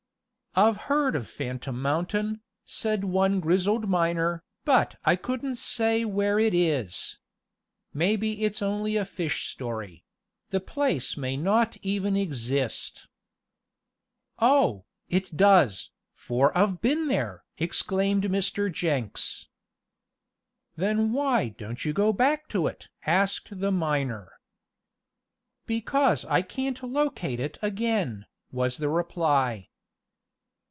"I've heard of Phantom Mountain," said one grizzled miner, "but I couldn't say where it is. Maybe it's only a fish story the place may not even exist." "Oh, it does, for I've been there!" exclaimed Mr. Jenks. "Then why don't you go back to it?" asked the miner. "Because I can't locate it again," was the reply.